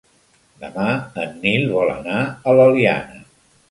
Demà en Nil vol anar a l'Eliana.